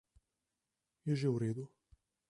Je že v redu.